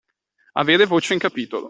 Avere voce in capitolo.